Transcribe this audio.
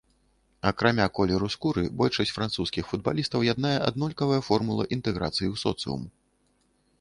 Акрамя колеру скуры большасць французскіх футбалістаў яднае аднолькавая формула інтэграцыі ў соцыум.